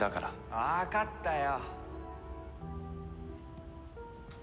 わかったよ。